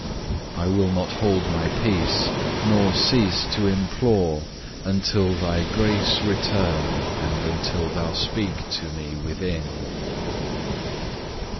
I will not hold my peace, nor cease to implore, until Thy grace return, and until Thou speak to me within.